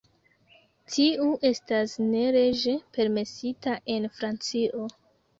Tiu estas ne leĝe permesita en Francio.